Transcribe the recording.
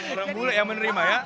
orang bule yang menerima ya